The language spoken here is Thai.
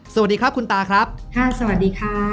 สวัสดีครับคุณตาครับค่ะสวัสดีค่ะ